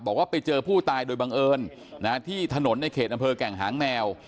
บอกว่าไปเจอผู้ตายโดยบังเอิญที่ถนนในเขตอำเภอแก่งหางแมว